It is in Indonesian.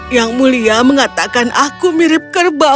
yang mulia mengatakan aku mirip kerbau